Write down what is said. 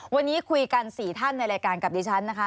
วันนี้คุยกัน๔ท่านในรายการกับดิฉันนะคะ